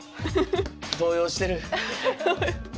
動揺してる。